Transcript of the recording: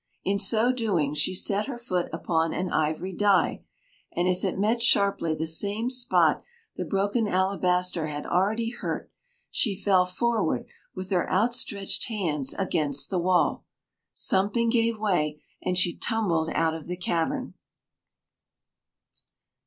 In so doing she set her foot upon an ivory die, and as it met sharply the same spot the broken alabaster had already hurt, she fell forward with her outstretched hands against the wall. Something gave way, and she tumbled out of the cavern.